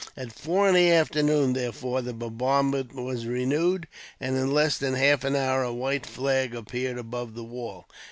At four in the afternoon, therefore, the bombardment was renewed; and in less than half an hour, a white flag appeared above the wall.